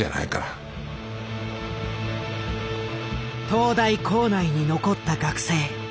東大構内に残った学生